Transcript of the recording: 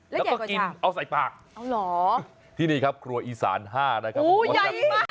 แล้วก็กินเอาใส่ปากเอาเหรอที่นี่ครับครัวอีสาน๕นะครับผมแซ่บ